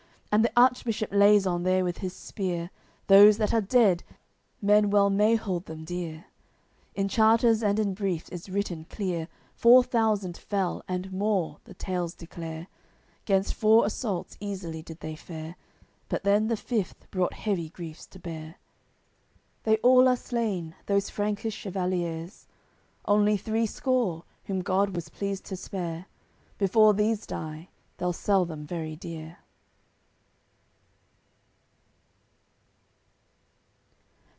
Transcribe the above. And the Archbishop lays on there with his spear. Those that are dead, men well may hold them dear. In charters and in briefs is written clear, Four thousand fell, and more, the tales declare. Gainst four assaults easily did they fare, But then the fifth brought heavy griefs to bear. They all are slain, those Frankish chevaliers; Only three score, whom God was pleased to spare, Before these die, they'll sell them very dear.